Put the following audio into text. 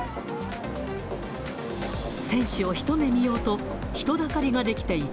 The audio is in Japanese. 選手を一目見ようと、人だかりが出来ていた。